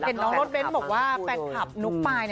เห็นน้องรถเบ้นบอกว่าแฟนคลับนุ๊กปาย